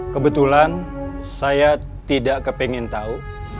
kebetulan saya tidak kepengen tahu